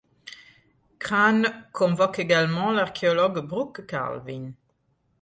Crane convoque également l'archéologue Brook Calvin.